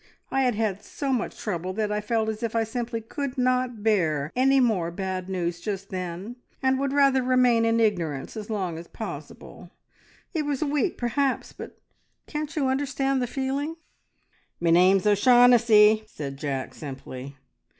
I had had so much trouble that I felt as if I simply could not bear any more bad news just then, and would rather remain in ignorance as long as possible. It was weak, perhaps, but can't you understand the feeling?" "Me name's O'Shaughnessy!" said Jack simply.